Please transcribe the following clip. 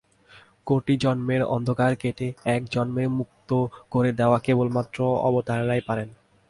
কোটি জন্মের অন্ধকার কেটে এক জন্মে মুক্ত করে দেওয়া কেবল মাত্র অবতারেরাই পারেন।